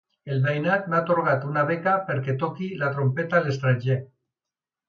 El veïnat m'ha atorgat una beca perquè toqui la trompeta a l'estranger.